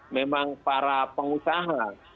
memang para pengusaha